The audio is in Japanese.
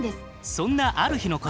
そんなある日のこと。